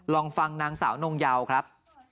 ลองฟังนางสาวนงเยาครับ